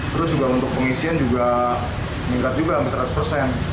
terus juga untuk pengisian juga meningkat juga hampir seratus persen